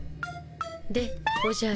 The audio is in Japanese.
でおじゃる。